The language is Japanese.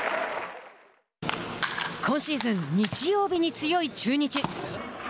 今シーズン、日曜日に強い中日。